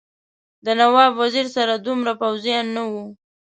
د نواب وزیر سره دومره پوځیان نه وو.